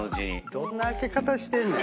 どんな開け方してんねん。